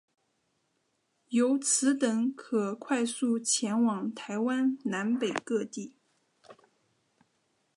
由此等可快速前往台湾南北各地。